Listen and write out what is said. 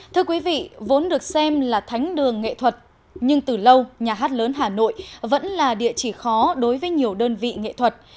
thưa quý vị vốn được xem là thánh đường nghệ thuật nhưng từ lâu nhà hát lớn hà nội vẫn là địa chỉ khó đối với nhiều đơn vị nghệ thuật